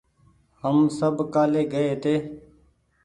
هم سب ڪآلي گئي هيتي